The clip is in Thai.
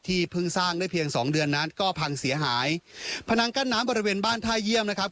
เพิ่งสร้างได้เพียงสองเดือนนั้นก็พังเสียหายพนังกั้นน้ำบริเวณบ้านท่าเยี่ยมนะครับ